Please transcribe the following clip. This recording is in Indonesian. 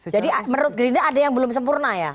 jadi menurut belinda ada yang belum sempurna ya